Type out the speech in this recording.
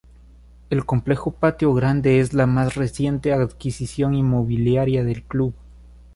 El Complejo Patio Grande es la más reciente adquisición inmobiliaria del club.